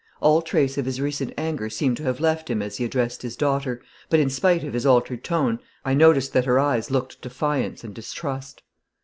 All trace of his recent anger seemed to have left him as he addressed his daughter, but in spite of his altered tone I noticed that her eyes looked defiance and distrust.